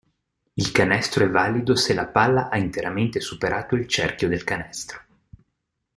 Il canestro è valido se la palla ha interamente superato il cerchio del canestro.